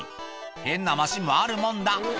変なマシンもあるもんだ。